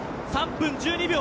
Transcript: ３分１２秒。